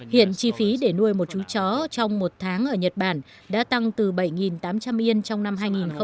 hiện chi phí để nuôi một chú chó trong một tháng ở nhật bản đã tăng từ bảy tám trăm linh yên trong năm hai nghìn một mươi